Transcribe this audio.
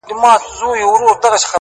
ورته ور چي وړې په لپو کي گورگورې!!